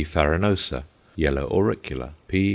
farinosa_), yellow auricula (_P.